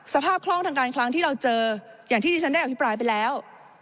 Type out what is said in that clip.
คล่องทางการคลังที่เราเจออย่างที่ที่ฉันได้อภิปรายไปแล้ว